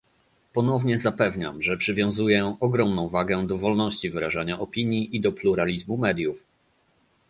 Ponownie zapewniam, że przywiązuję ogromną wagę do wolności wyrażania opinii i do pluralizmu mediów